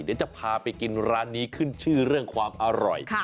เดี๋ยวจะพาไปกินร้านนี้ขึ้นชื่อเรื่องความอร่อย